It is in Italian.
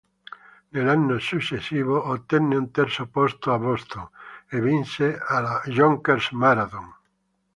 Nell'anno successivo ottenne un terzo posto a Boston e vinse alla Yonkers Marathon.